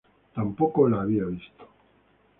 Tampoco la había visto.